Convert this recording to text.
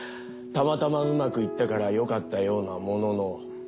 たまたまうまくいったからよかったようなものの。